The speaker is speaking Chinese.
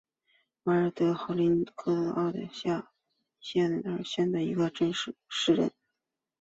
瓦尔德豪森是奥地利下奥地利州茨韦特尔县的一个市镇。